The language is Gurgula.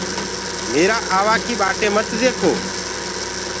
ميرآ آوآ ڪي ٻآٽي مت ديکو۔